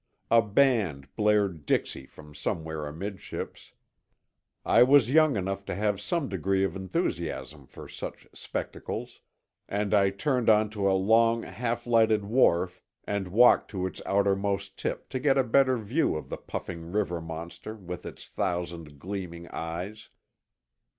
A band blared "Dixie" from somewhere amidships. I was young enough to have some degree of enthusiasm for such spectacles, and I turned onto a long half lighted wharf and walked to its outermost tip to get a better view of the puffing river monster with its thousand gleaming eyes.